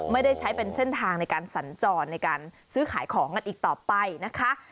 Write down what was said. ไม่ได้ใช้เป็นเส้นทางในการสัญจรในการซื้อขายของกันอีกต่อไปนะคะ